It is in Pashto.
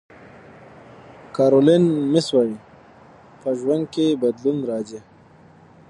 کارولین میس وایي په ژوند کې بدلون راځي.